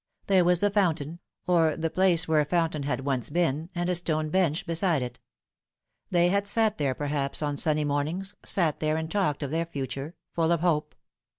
There was the fountain or the place where a fountain had once been, and a stone bench beside it. They had sat there perhaps on sunny mornings, sat there and talked of their future, full of hope.